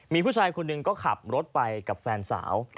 มีผู้ชายคนหนึ่งก็ขับรถไปกับแฟนสาว